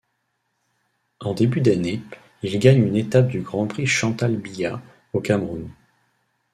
En début d'année, il gagne une étape du Grand Prix Chantal Biya, au Cameroun.